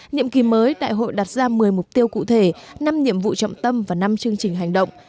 nhiệm kỳ mới đại hội đặt ra một mươi mục tiêu cụ thể năm nhiệm vụ trọng tâm và năm chương trình hành động